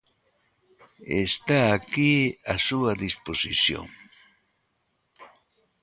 Está aquí á súa disposición.